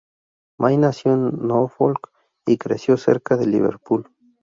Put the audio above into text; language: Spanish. May nació en Norfolk y creció cerca de Liverpool.